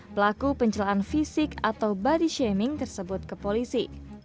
pelaku pencelaan fisik atau body shaming tersebut ke polisi